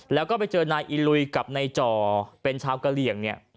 แล้วก็ไปเจอนายอิลุยกับนายจ่อเป็นชาวกะเหลี่ยงเนี่ย